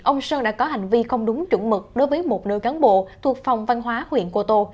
ông sơn đã có hành vi không đúng chuẩn mực đối với một nơi cán bộ thuộc phòng văn hóa huyện cô tô